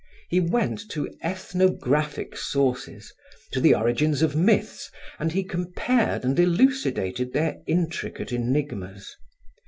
He went to ethnographic sources, to the origins of myths, and he compared and elucidated their intricate enigmas.